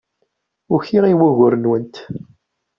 Ukiɣ i wugur-nwent.